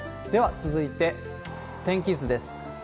では、続いて天気図です。